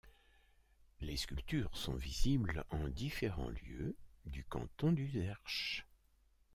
Les sculptures sont visibles en différents lieux du canton d'Uzerche.